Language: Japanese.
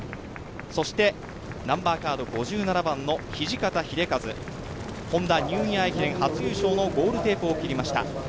そして、ナンバーカード５７番の土方英和、Ｈｏｎｄａニューイヤー駅伝のゴールテープを切りました。